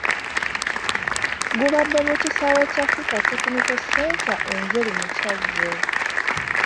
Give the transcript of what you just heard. Gubadde mu kisaawe kya Fufa Technical Center e Njeru mu Kyaggwe.